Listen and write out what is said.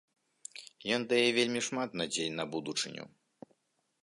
Ён дае вельмі шмат надзей на будучыню.